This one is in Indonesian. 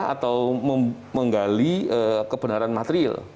atau menggali kebenaran materil